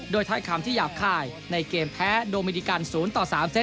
ถ้อยคำที่หยาบคายในเกมแพ้โดมินิกัน๐ต่อ๓เซต